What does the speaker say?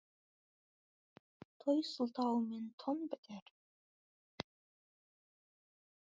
Той сылтауымен тон бітер.